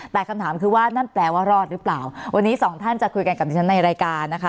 แต่คำถามคือว่านั่นแปลว่ารอดหรือเปล่าวันนี้สองท่านจะคุยกันกับดิฉันในรายการนะคะ